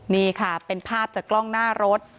นี่ค่ะเป็นภาพจากกล้องหน้ารถ